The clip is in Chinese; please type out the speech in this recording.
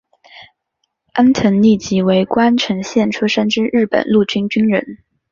安藤利吉为宫城县出身之日本陆军军人。